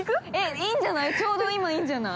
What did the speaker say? ◆いいんじゃない。